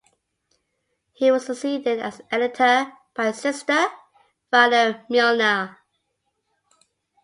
He was succeeded as editor by his sister, Violet Milner.